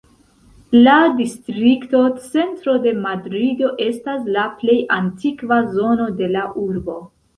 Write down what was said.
La distrikto Centro de Madrido estas la plej antikva zono de la urbo.